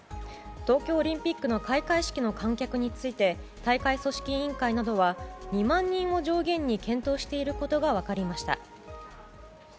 東京オリンピックの開会式の観客について大会組織委員会などは２万人を上限に検討していることが分かりました。